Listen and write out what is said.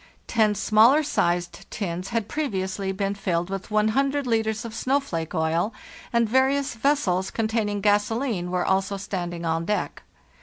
Ten smaller sized tins had previously been filled with too litres of snowflake oil, and various vessels containing gasoline were also standing on deck.